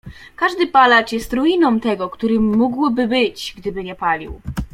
Każdy palacz jest ruiną tego, którym mógłby być, gdyby nie palił.